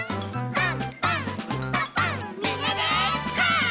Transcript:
パン！